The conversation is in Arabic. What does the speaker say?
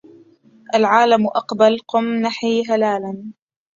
العام أقبل قم نحي هلالا